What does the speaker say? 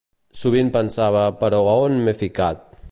Sovint pensava 'però on m'he ficat?'.